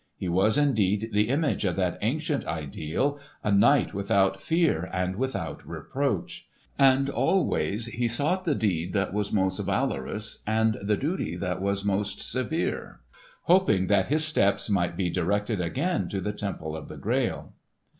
He was, indeed, the image of that ancient ideal, a knight without fear and without reproach; and always he sought the deed that was most valorous and the duty that was most severe, hoping that his steps might be directed again to the Temple of the Grail.